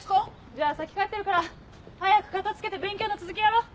じゃあ先帰ってるから早く片つけて勉強の続きやろう。